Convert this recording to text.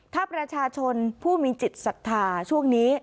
ท่าประชาชนผู้มีจิตศัตริย์ช่วงนี้